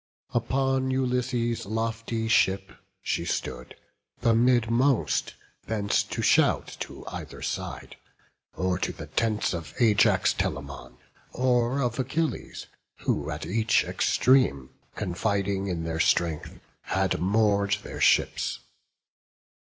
Upon Ulysses' lofty ship she stood, The midmost, thence to shout to either side, Or to the tents of Ajax Telamon, Or of Achilles, who at each extreme, Confiding in their strength, had moor'd their ships.